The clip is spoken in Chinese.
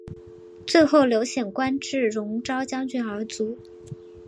最后刘显官至戎昭将军而卒。